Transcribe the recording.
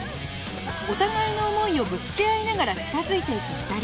お互いの思いをぶつけ合いながら近づいていく２人